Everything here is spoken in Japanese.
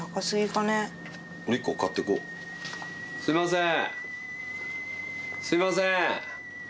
すいません。